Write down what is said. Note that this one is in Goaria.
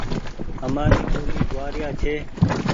همآري ٻولي گوآريا ڇي۔